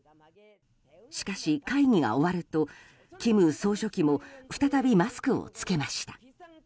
しかし、会議が終わると金総書記も再びマスクを着けました。